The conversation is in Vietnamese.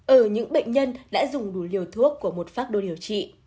ở những bệnh nhân đã dùng đủ liều thuốc của một pháp đô điều trị